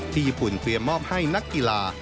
ญี่ปุ่นเตรียมมอบให้นักกีฬา